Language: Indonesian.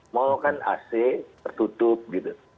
mal kan ac tertutup gitu